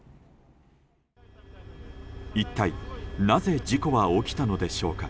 一体なぜ事故は起きたのでしょうか。